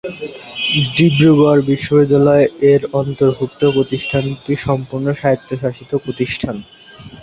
ডিব্রুগড় বিশ্ববিদ্যালয়-এর অন্তর্ভুক্ত প্রতিষ্ঠানটি সম্পূর্ণ স্বায়ত্তশাসিত প্রতিষ্ঠান।